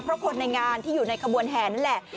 เพราะคนในงานที่อยู่ในขบวนแห่นั่นแหละ